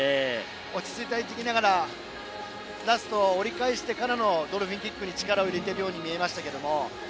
落ち着いて入っていきながらラスト折り返してからのドルフィンキックに力を入れているように見えました。